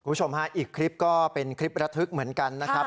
คุณผู้ชมฮะอีกคลิปก็เป็นคลิประทึกเหมือนกันนะครับ